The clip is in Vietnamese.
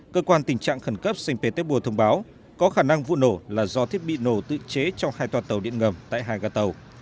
cơ quan tình trạng khẩn cấp saint petersburg thông báo có khả năng vụ nổ là do thiết bị nổ tự chế cho hai toa tàu điện ngầm tại hai gà tàu